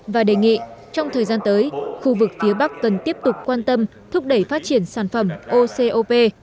và đề nghị trong thời gian tới khu vực phía bắc cần tiếp tục quan tâm thúc đẩy phát triển sản phẩm ocop